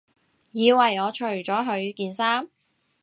以為我除咗佢件衫